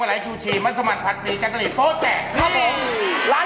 ร้านเรามีเหรอ